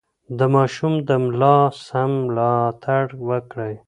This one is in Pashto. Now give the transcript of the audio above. د ماشوم د ملا سم ملاتړ وکړئ.